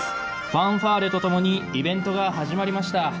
ファンファーレと共にイベントが始まりました。